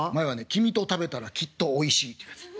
「きみと食べたら、きっと美味しい」っていうやつ。